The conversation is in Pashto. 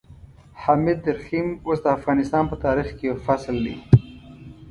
حامد درخيم اوس د افغانستان په تاريخ کې يو فصل دی.